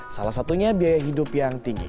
salah satunya biaya hidup yang tinggi